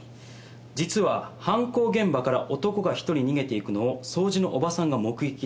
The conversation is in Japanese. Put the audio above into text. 実は犯行現場から男が一人逃げて行くのを掃除のおばさんが目撃してるんです。